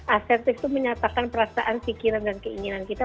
asertif itu menyatakan perasaan pikiran dan keinginan kita